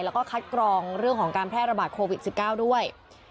แล้วก็คัดกรองเรื่องของการแพร่ระบาดโควิด๑๙ด้วย